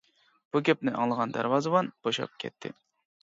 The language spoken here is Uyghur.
بۇ گەپنى ئاڭلىغان دەرۋازىۋەن بوشاپ كەتتى.